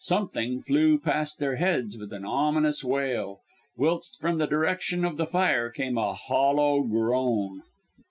Something flew past their heads with an ominous wail; whilst from the direction of the fire came a hollow groan.